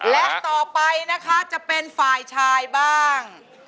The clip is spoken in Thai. และต่อไปนะคะจะเป็นฝ่ายชายบ้าง